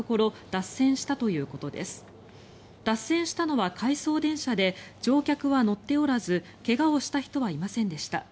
脱線したのは回送電車で乗客は乗っておらず怪我をした人はいませんでした。